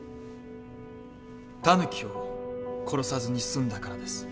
タヌキを殺さずに済んだからです。